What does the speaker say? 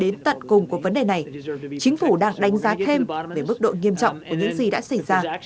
đến tận cùng của vấn đề này chính phủ đang đánh giá thêm về mức độ nghiêm trọng của những gì đã xảy ra